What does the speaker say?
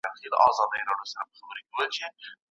د بهرنیو چارو وزارت ډیپلوماټیکي اړیکي نه پري کوي.